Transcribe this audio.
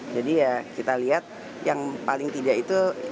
jadi ya kita lihat yang paling tidak itu